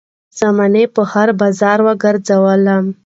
زمانې په هـــــر بازار وګرځــــــــــولم